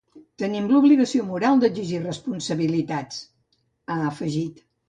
“Tenim la obligació moral d’exigir responsabilitats”, ha afegit.